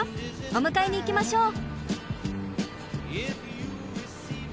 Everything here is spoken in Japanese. お迎えに行きましょう！